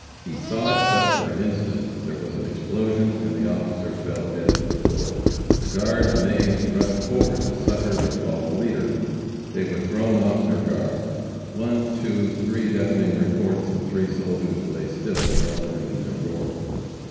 He saw it but for an instant, there was an explosion, and the officer fell dead to the floor. The guard, amazed, rushed forward to succor their fallen leader. They were thrown off their guard. One, two, three deafening reports, and three soldiers lay still, weltering in their gore.